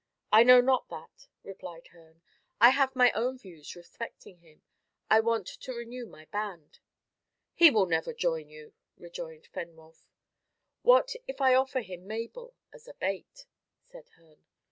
"I know not that," replied Herne. "I have my own views respecting him. I want to renew my band." "He will never join you," rejoined Fenwolf. "What if I offer him Mabel as a bait?" said Herne.